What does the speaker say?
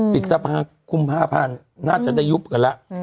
ปิดสะพานคุม๕๐๐๐นาฬิกาจะได้ยุบกันแล้ว